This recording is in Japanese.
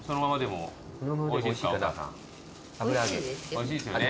おいしいですよね。